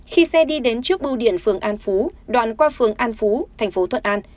khi xe đi đến trước bưu điện phường an phú đoạn qua phường an phú thành phố thuận an